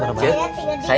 terima kasih ip